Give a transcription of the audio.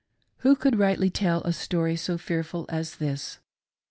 Who could rightly tell a story so fearful as this.'